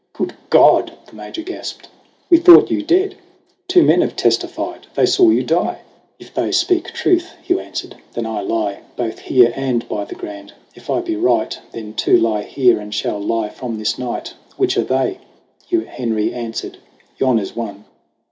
"Good God !" the Major gasped ; "We thought you dead ! Two men have testified they saw you die!" 108 SONG OF HUGH GLASS "If they speak truth," Hugh answered, "then I lie Both here and by the Grand. If I be right, Then two lie here and shall lie from this night. Which are they?" Henry answered : "Yon is one."